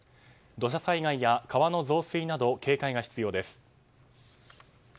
土砂災害や川の増水など警戒が必要です。